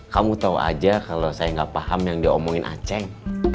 kamu tau aja kalo saya gak paham yang diomongin a ceng